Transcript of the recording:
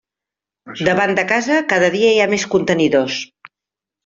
Davant de casa cada dia hi ha més contenidors.